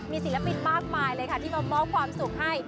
มีศิลปินมากมายเลยค่ะที่มามอบความสุขให้